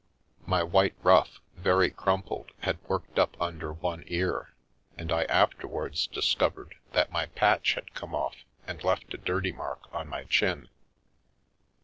My white ruff, very crumpled, had worked up under one ear, and I afterwards discovered that my patch had come off and left a dirty mark on my chin.